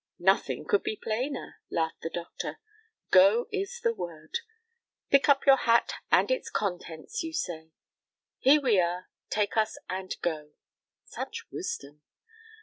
"Nothing could be plainer," laughed the doctor. "Go is the word. Pick up your hat and its contents, you say. Here we are, take us and go. Such wisdom!